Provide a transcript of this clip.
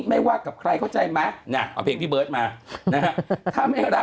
ไม่ว่ากับใครเข้าใจมั้ยนี่เอาเพลงพี่เบิร์ดมานะครับ